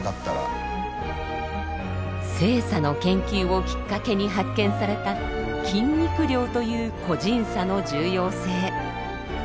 性差の研究をきっかけに発見された筋肉量という個人差の重要性。